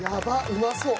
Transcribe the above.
うまそう。